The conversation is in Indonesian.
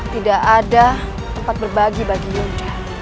tidak ada tempat berbagi bagi yogi